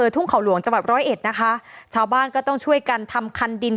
ทุ่งเขาหลวงจังหวัดร้อยเอ็ดนะคะชาวบ้านก็ต้องช่วยกันทำคันดิน